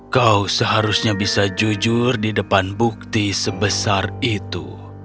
kau seharusnya bisa jujur di depan bukti sebesar itu